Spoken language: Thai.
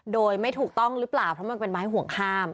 โดยไม่ถูกต้องหรือเปล่าเพราะมันเป็นไม้ห่วงห้าม